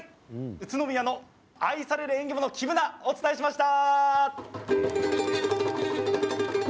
宇都宮の愛される縁起物黄ぶな、お伝えしました。